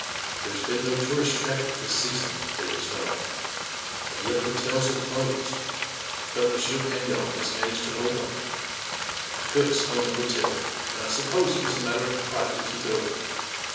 " There has been no tourist traffic this season," Davis went on, " and the other hotels are dosed. But M. Pag non has managed to hold on. Cook's own the hotel, and I suppose it was a matter of pride to keep it open.